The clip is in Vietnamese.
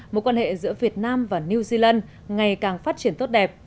một quan hệ giữa việt nam và new zealand ngày càng phát triển tốt đẹp